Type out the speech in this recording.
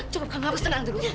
cukup kamu harus tenang dulu